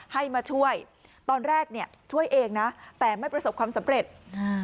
ให้มาช่วยตอนแรกเนี่ยช่วยเองนะแต่ไม่ประสบความสำเร็จ